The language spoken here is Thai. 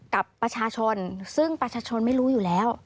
กับประชาชนซึ่งประชาชนไม่รู้อยู่แล้ว